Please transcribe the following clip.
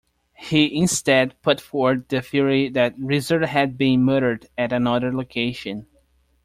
He instead put forward the theory that Reeser had been murdered at another location.